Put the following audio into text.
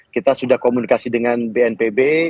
kita sudah komunikasi dengan bnpb